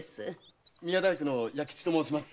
宮大工の弥吉と申します。